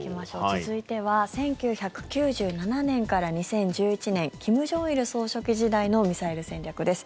続いては１９９７年から２０１１年金正日総書記時代のミサイル戦略です。